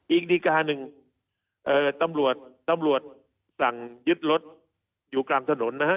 อีกดีการหนึ่งตำรวจตำรวจสั่งยึดรถอยู่กลางถนนนะฮะ